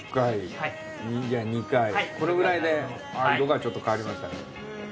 これくらいで色がちょっと変わりましたね。